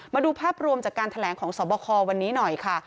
มาดูภาพรวมจากการแถลงของสวบควันนี้หน่อยค่ะ